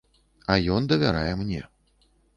А ён давярае мне.